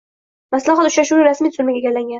Maslahat uchrashuvi rasmiy tuzilmaga aylangandir.